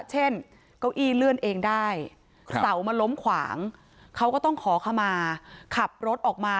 เก้าอี้เลื่อนเองได้เสามันล้มขวางเขาก็ต้องขอขมาขับรถออกมา